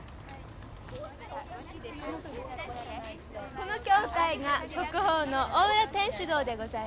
この教会が国宝の大浦天主堂でございます。